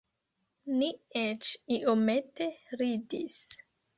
Ni eĉ iomete ridis.